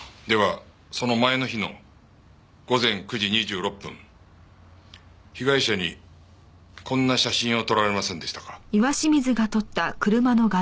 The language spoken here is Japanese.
ではその前の日の午前９時２６分被害者にこんな写真を撮られませんでしたか？